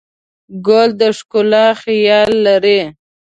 ګل د ښکلا خیال لري.